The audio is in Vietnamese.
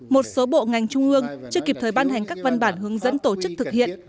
một số bộ ngành trung ương chưa kịp thời ban hành các văn bản hướng dẫn tổ chức thực hiện